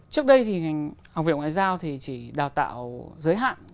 trước đây thì ngành học viện ngoại giao thì chỉ đào tạo giới hạn